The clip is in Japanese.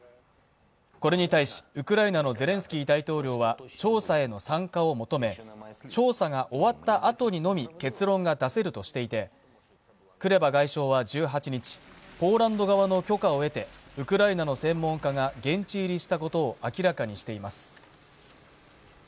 これに対し、ウクライナのゼレンスキー大統領は調査への参加を求め調査が終わったあとにのみ、結論が出せるとしていてクレバ外相は１８日、ポーランド側の許可を得てウクライナの専門家が現地入りしたことを明らかにしています。